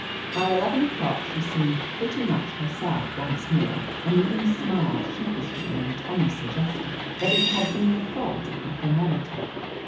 By eleven o'clock she seemed pretty much herself once more and even smiled sheepishly when Tommy suggested that it had been the fault of the thermometer.